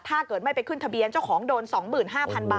ถ้าเกิดไม่ไปขึ้นทะเบียนเจ้าของโดน๒๕๐๐๐บาท